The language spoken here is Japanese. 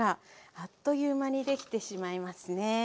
あっという間にできてしまいますね。